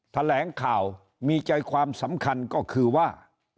แถลงข่าวมีใจความสำคัญก็คือว่า